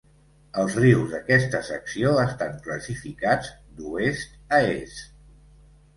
Els rius d'aquesta secció estan classificats d'oest a est.